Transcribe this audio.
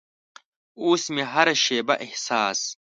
اوس مې هره شیبه احساس